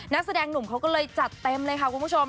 นักแสดงหนุ่มเขาก็เลยจัดเต็มเลยค่ะคุณผู้ชม